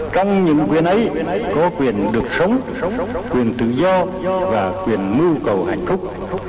trong những quyền ấy có quyền được sống quyền tự do và quyền mưu cầu hạnh phúc